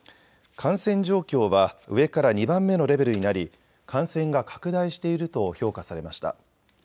感染状況は上から２番目のレベルになり感染が拡大していると評価されました。